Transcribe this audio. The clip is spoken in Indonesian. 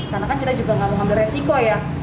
karena kan kita juga tidak mengambil resiko ya